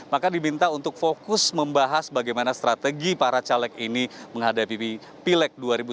maka diminta untuk fokus membahas bagaimana strategi para caleg ini menghadapi pilek dua ribu sembilan belas